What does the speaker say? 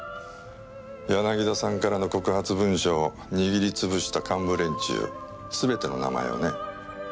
柳田さんからの告発文書を握り潰した幹部連中すべての名前をね。